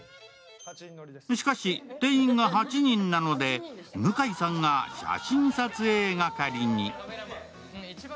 しかし、定員が８人なので向井さんが写真撮影係に。